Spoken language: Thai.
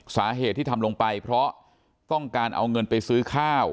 สาเหตุที่ทำลงไปเพราะต้องการเอาเงินไปซื้อข้าว